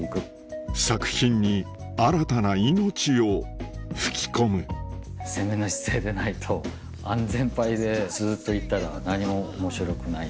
作品に新たな命を吹き込む攻めの姿勢でないと安全パイでずっといたら何も面白くないので。